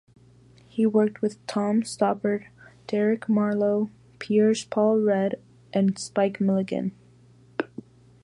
He worked with Tom Stoppard, Derek Marlowe, Piers Paul Read, and Spike Milligan.